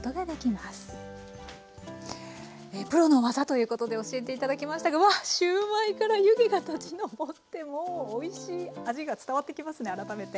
プロの技！ということで教えて頂きましたがうわっシューマイから湯気が立ち上ってもうおいしい味が伝わってきますね改めて。